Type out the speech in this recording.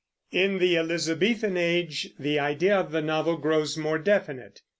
In the Elizabethan Age the idea of the novel grows more definite.